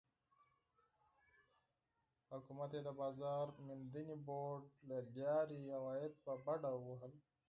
حکومت یې د بازار موندنې بورډ له لارې عواید په بډه وهل.